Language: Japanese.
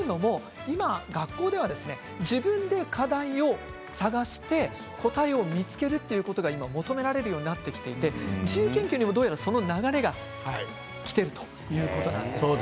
学校では自分で課題を探して答えを見つけるということが求められるようになってきているので自由研究にもその流れがきているということなんです。